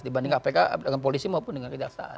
dibanding kpk dengan polisi maupun dengan kejaksaan